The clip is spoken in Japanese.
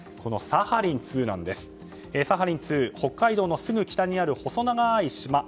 サハリン２北海道のすぐ北にある細長い島